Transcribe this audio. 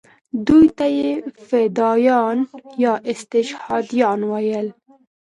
دوی ته یې فدایان یا استشهادیان ویل.